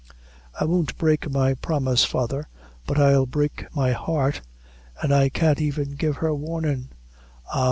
"I won't break my promise, father, but I'll break my heart; an' I can't even give her warnin'. Ah!